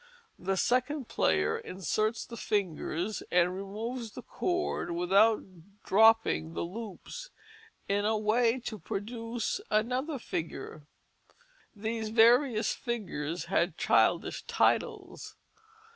The second player inserts the fingers and removes the cord without dropping the loops in a way to produce another figure. These various figures had childish titles.